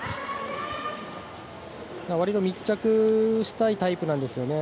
わりと密着したいタイプなんですよね。